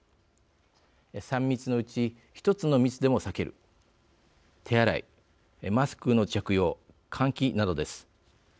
３密のうち１つの密でも避ける手洗い、マスクの着用換気などです。